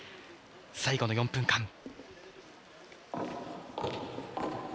最後の４分間。